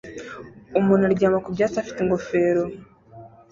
Umuntu aryama ku byatsi afite ingofero